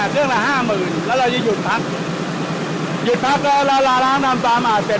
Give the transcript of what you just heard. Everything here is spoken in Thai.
เครื่องละห้าหมื่นแล้วเราจะหยุดพักหยุดพักแล้วเราลาล้างทำความสะอาดเสร็จ